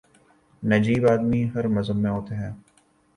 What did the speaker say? نجیب آدمی ہر مذہب میں ہوتے ہیں۔